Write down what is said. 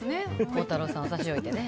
孝太郎さんを差し置いてね。